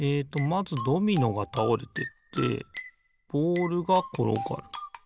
まずドミノがたおれてってボールがころがる。